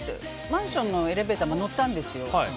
マンションのエレベーターに乗ったんですよ。